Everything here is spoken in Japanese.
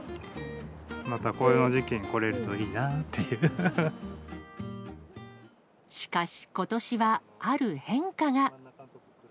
また紅葉の時期に来れるといしかし、ことしはある変化が。